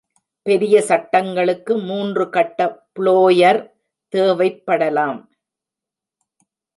பெரிய சட்டங்களுக்கு மூன்று கட்ட புளோயர் தேவைப்படலாம்.